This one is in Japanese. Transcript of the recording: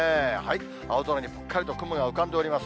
青空にぽっかりと雲が浮かんでおります。